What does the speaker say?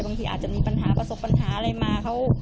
บางทีอาจจะมีปัญหาประสบปัญหาอะไรมา